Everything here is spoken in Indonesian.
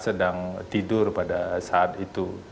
sedang tidur pada saat itu